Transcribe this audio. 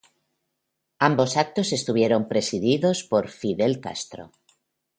Ambos actos estuvieron presididos por Fidel Castro.